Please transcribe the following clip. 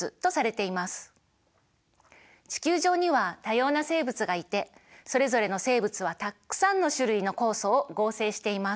地球上には多様な生物がいてそれぞれの生物はたくさんの種類の酵素を合成しています。